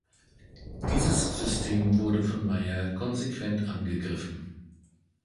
Dieses System wurde von Mayr konsequent angegriffen.